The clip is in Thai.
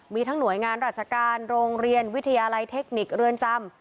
มีทั้งหน่วยงานราชการโรงเรียนวิทยาลัยเทคนิคเรือนจำ